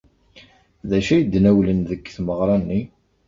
D acu ay d-nawlen deg tmeɣra-nni?